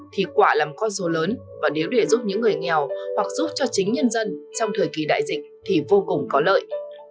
thì quả là một con số lớn và nếu để giúp những người nghèo hoặc giúp cho chính nhân dân trong thời kỳ đại dịch thì vô cùng có lợi